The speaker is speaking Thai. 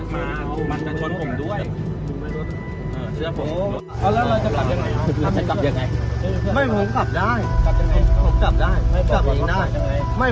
ไม่ต้องกลับดี